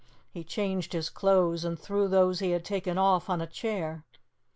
He changed his clothes and threw those he had taken off on a chair.